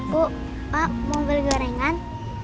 bu pak mau beli gorengan